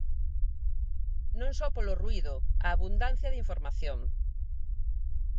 Non só polo ruído, a abundancia de información.